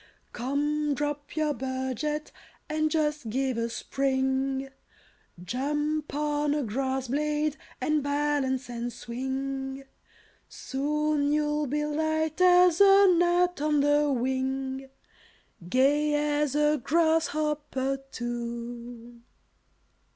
Come! drop your budget, and just give a spring; Jump on a grass blade, and balance and swing; Soon you'll be light as a gnat on the wing, Gay as a grasshopper, too!"